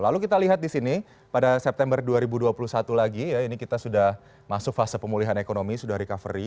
lalu kita lihat di sini pada september dua ribu dua puluh satu lagi ya ini kita sudah masuk fase pemulihan ekonomi sudah recovery